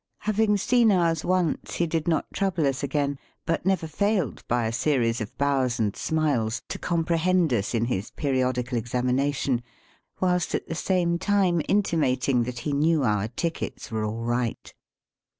Having seen ours once, he did not trouble us again, but never failed, by a series of bows and smiles, to comprehend us in his periodical examina tion, whilst at the same time intimating that he knew our tickets were all right.